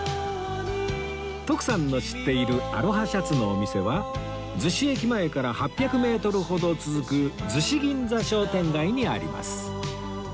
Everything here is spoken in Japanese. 徳さんの知っているアロハシャツのお店は逗子駅前から８００メートルほど続く逗子銀座商店街にあります